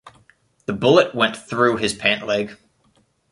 The bullet went through his pant leg.